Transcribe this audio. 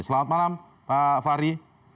selamat malam pak fahri